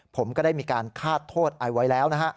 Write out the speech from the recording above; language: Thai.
ผมก็ได้มีการฆาตโทษเอาไว้แล้วนะฮะ